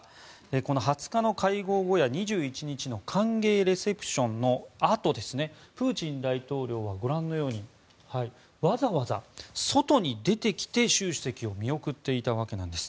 この２０日の会談後や２１日の歓迎レセプションのあとプーチン大統領はご覧のようにわざわざ外に出てきて習主席を見送っていたわけなんです。